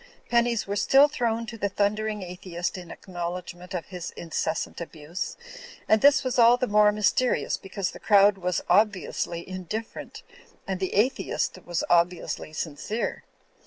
Pennies were still thrown to the thundering atheist in acknowledgment of his incessant abuse ; and this was all the more mys terious because the crowd was obviously indifferent, and the atheist was obviously sincere.